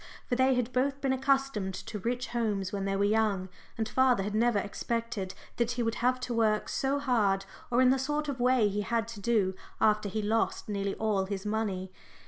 For they had both been accustomed to rich homes when they were young, and father had never expected that he would have to work so hard or in the sort of way he had to do, after he lost nearly all his money.